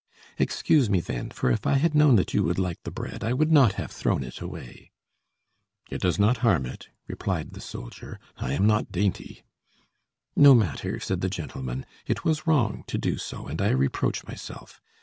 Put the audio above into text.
"Excuse me then. For if I had known that you would like the bread, I would not have thrown it away." "It does not harm it," replied the soldier, "I am not dainty." "No matter," said the gentleman, "it was wrong to do so, and I reproach myself.